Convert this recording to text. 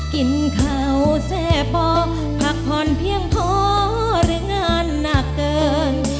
กินเขาแซ่ปอพักผ่อนเพียงพอหรืองานหนักเกิน